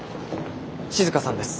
静さんです。